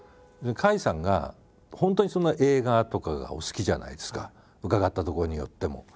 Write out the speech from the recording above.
甲斐さんが本当にその映画とかがお好きじゃないですか伺ったところによっても。